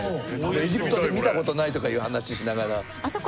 エジプトで見たことないとかいう話しながら。